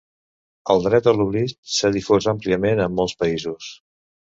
El dret a l'oblit s'ha difós àmpliament en molts països.